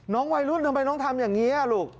วัยรุ่นทำไมต้องทำอย่างนี้ลูก